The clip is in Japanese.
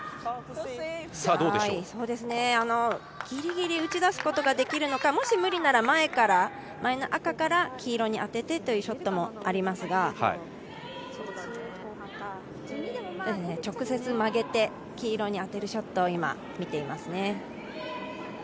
ギリギリ打ち出すことができるのか、もし無理なら前から、前の赤から黄色に当ててというショットもありますが直接曲げて黄色に当てるショットを今見ていますね。